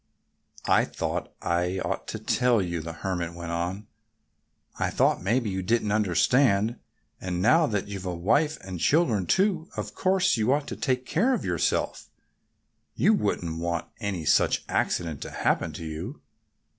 "I thought I ought to tell you," the Hermit went on. "I thought maybe you didn't understand. And now that you've a wife and children, too, of course you ought to take care of yourself. You won't want any such accident to happen to you."